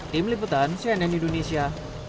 tim liputan cnn indonesia